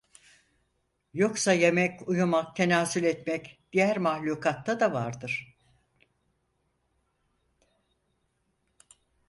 Yoksa yemek, uyumak, tenasül etmek diğer mahlukatta da vardır.